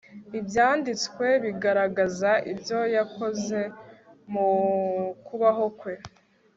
ibyanditswe bigaragaza ibyo yakoze mu kubaho kwe